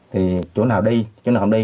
thì chỗ nào đi chỗ nào không đi